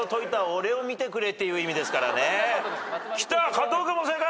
加藤君も正解！